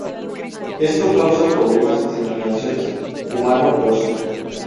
Esto causa problemas en las relaciones humano-oso.